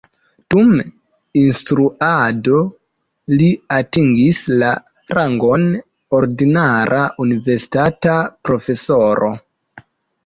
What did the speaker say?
Dum instruado li atingis la rangon ordinara universitata profesoro.